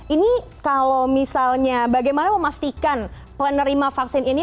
ini kalau misalnya bagaimana memastikan penerima vaksin ini